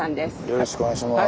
よろしくお願いします。